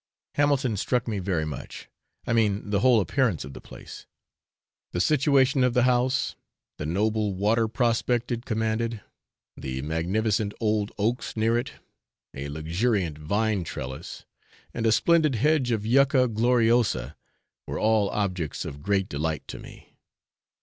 Hamilton struck me very much, I mean the whole appearance of the place; the situation of the house, the noble water prospect it commanded, the magnificent old oaks near it, a luxuriant vine trellis, and a splendid hedge of Yucca gloriosa, were all objects of great delight to me.